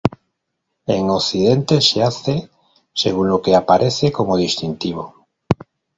En Occidente se hace según lo que aparece como distintivo.